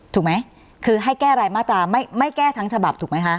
ถูกไหมคือให้แก้รายมาตราไม่แก้ทั้งฉบับถูกไหมคะ